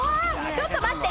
ちょっと待って！